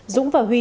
dũng và huy